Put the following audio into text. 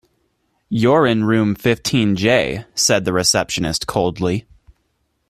You're in room fifteen J, said the receptionist coldly.